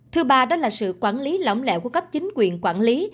thứ ba đó là sự quản lý lỏng lẽo của các chính quyền quản lý